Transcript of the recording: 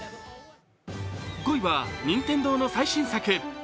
５位は任天堂の最新作。